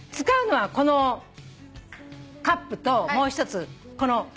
使うのはこのカップともう一つこの。